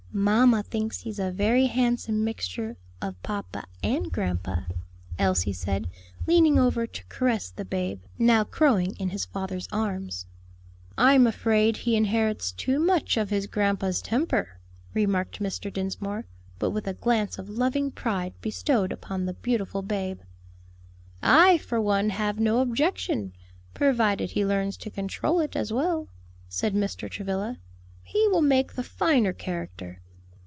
"Mamma thinks he's a very handsome mixture of papa and grandpa," Elsie said, leaning over to caress the babe, now crowing in his father's arms. "I'm afraid he inherits too much of his grandpa's temper," remarked Mr. Dinsmore, but with a glance of loving pride bestowed upon the beautiful babe. "I, for one, have no objection, provided he learns to control it as well," said Mr. Travilla; "he will make the finer character."